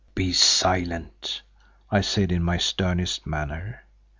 "Be silent," I said in my sternest manner.